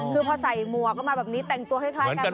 คือพอใส่หมวกเข้ามาแบบนี้แต่งตัวคล้ายกัน